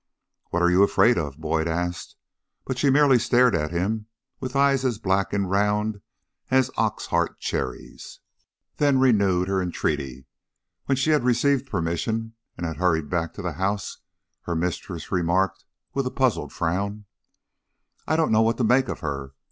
"What are you afraid of?" Boyd asked; but she merely stared at him with eyes as black and round as ox heart cherries, then renewed her entreaty. When she had received permission and had hurried back to the house, her mistress remarked, with a puzzled frown: "I don't know what to make of her.